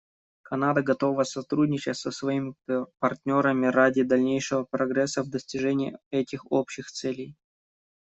Канада готова сотрудничать со своими партнерами ради дальнейшего прогресса в достижении этих общих целей.